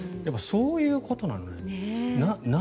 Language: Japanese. そういうことなんだなと。